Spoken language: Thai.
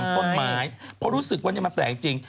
เพราะรู้สึกว่าจะมาแปลกจริง